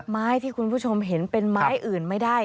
ไม้ที่คุณผู้ชมเห็นเป็นไม้อื่นไม่ได้